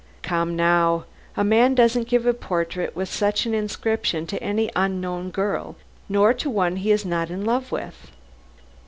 "Come now. A man doesn't give a portrait with such an inscription to any unknown girl, nor to one he is not in love with."